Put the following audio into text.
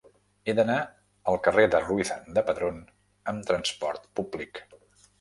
He d'anar al carrer de Ruiz de Padrón amb trasport públic.